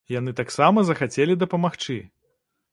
Яны таксама захацелі дапамагчы!